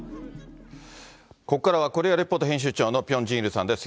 ここからはコリア・レポート編集長のピョン・ジンイルさんです。